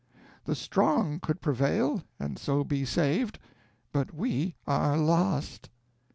The strong could prevail, and so be saved, but we are lost."